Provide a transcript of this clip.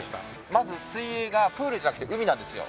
まず水泳がプールじゃなくて海なんですよ